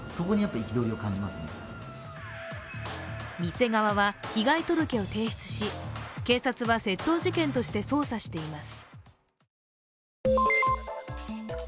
店側は被害届を提出し警察は窃盗事件として捜査しています。